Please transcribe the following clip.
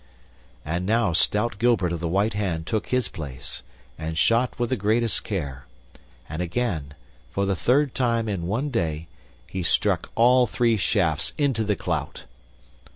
And now stout Gilbert of the White Hand took his place and shot with the greatest care; and again, for the third time in one day, he struck all three shafts into the clout.